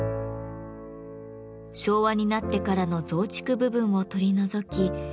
昭和になってからの増築部分を取り除き２年がかりで再生。